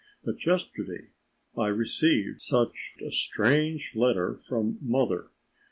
But yesterday I received such a strange letter from mother.